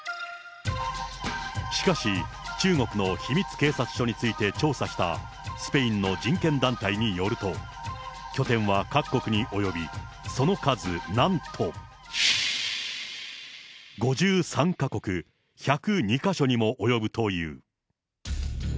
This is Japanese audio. しかし、中国の秘密警察署について調査したスペインの人権団体によると、拠点は各国に及び、その数なんと、５３か国１０２か所にもおよぶという。